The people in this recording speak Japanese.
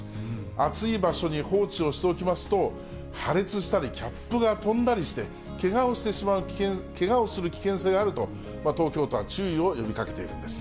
暑い場所に放置をしておきますと、破裂したり、キャップが飛んだりして、けがをする危険性があると東京都は注意を呼びかけているんです。